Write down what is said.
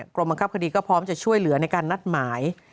กรมบังคับคดีก็พร้อมจะช่วยเหลือในการนัดหมาย